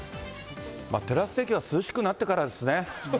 テラス席は涼しくなってからですね。